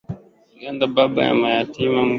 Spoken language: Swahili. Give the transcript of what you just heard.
Baba wa mayatima nyosha mkono wako.